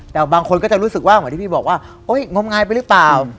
แต่บางคนก็จะรู้สึกว่าเหมือนที่พี่บอกว่าโอ๊ยงมงายไปหรือเปล่า